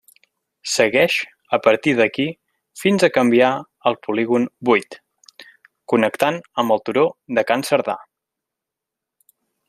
Segueix a partir d'aquí fins a canviar al polígon vuit, connectant amb el turó de Can Cerdà.